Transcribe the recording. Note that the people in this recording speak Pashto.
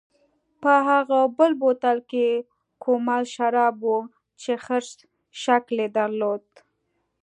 په هغه بل بوتل کې کومل شراب و چې خرس شکل یې درلود.